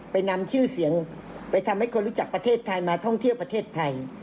นำชื่อเสียงไปทำให้คนรู้จักประเทศไทยมาท่องเที่ยวประเทศไทย